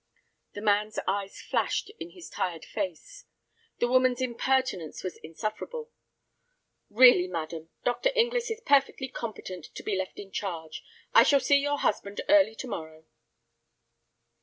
The man's eyes flashed in his tired face. The woman's impertinence was insufferable. "Really, madam, Dr. Inglis is perfectly competent to be left in charge. I shall see your husband early to morrow."